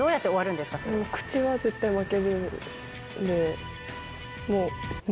口は絶対負けるんで。